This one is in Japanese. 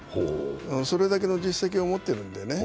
それだけの実績を持ってるんでね。